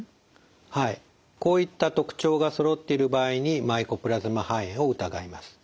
はいこういった特徴がそろっている場合にマイコプラズマ肺炎を疑います。